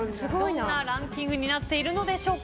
どんなランキングになっているのでしょうか。